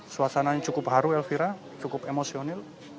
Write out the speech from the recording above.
suasananya cukup haru elvira cukup emosional